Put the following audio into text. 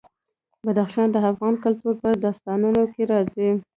بدخشان د افغان کلتور په داستانونو کې راځي.